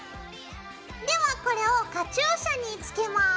ではこれをカチューシャにつけます。